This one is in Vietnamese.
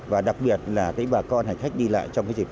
và đặc biệt là cái bà con hành khách đi lại trong cái dịp đấy